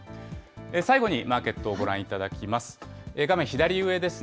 最後にマーケットをご覧いただきます。